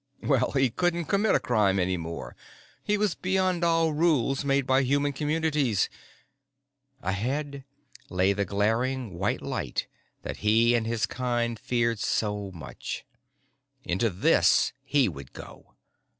Well, he couldn't commit a crime any more. He was beyond all rules made by human communities. Ahead lay the glaring white light that he and his kind feared so much. Into this he would go.